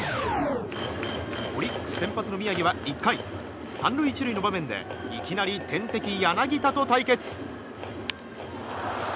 オリックス先発の宮城は１回３塁１塁の場面でいきなり天敵・柳田と対決。